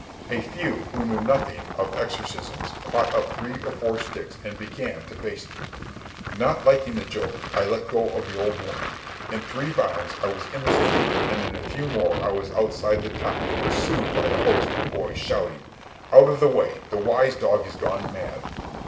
A few who knew nothing of exorcisms caught up three or four sticks and began to baste me. Not liking the joke, I let go the old woman; in three bounds I was in the street, and in a few more I was outside the town, pursued by a host of boys, shouting, "Out of the way! the wise dog is gone mad."